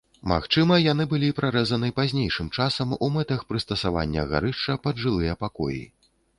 Магчыма, яны былі прарэзаны пазнейшым часам у мэтах прыстасавання гарышча пад жылыя пакоі.